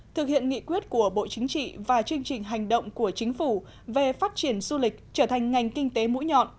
thực hiện nghị quyết của bộ chính trị và chương trình hành động của chính phủ về phát triển du lịch trở thành ngành kinh tế mũi nhọn